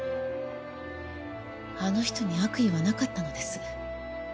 あの人に悪意はなかったのです。